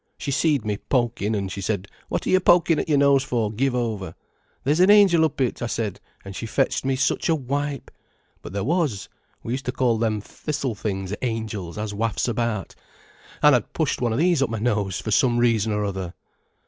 She seed me pokin', an' she said: 'What are you pokin' at your nose for—give over.' 'There's an angel up it,' I said, an' she fetched me such a wipe. But there was. We used to call them thistle things 'angels' as wafts about. An' I'd pushed one o' these up my nose, for some reason or other."